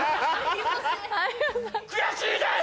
悔しいです！